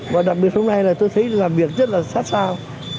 và đặc biệt hôm nay là tôi thấy làm việc rất là sát sao